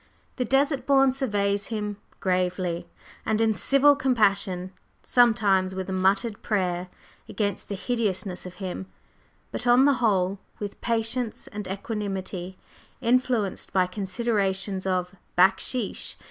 The Desert Born surveys him gravely and in civil compassion, sometimes with a muttered prayer against the hideousness of him, but on the whole with patience and equanimity, influenced by considerations of "backsheesh."